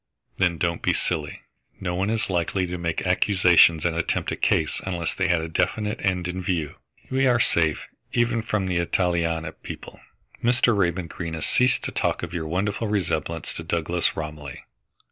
"Then don't be silly. No one is likely to make accusations and attempt a case unless they had a definite end in view. We are safe even from the Elletania people. Mr. Raymond Greene has ceased to talk of your wonderful resemblance to Douglas Romilly.